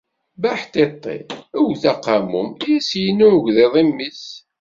Bbaḥ ṭiṭi, ewt aqamum, i as-yenna ugḍiḍ i mmi-s